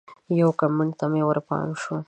یو کمنټ ته مې ورپام شو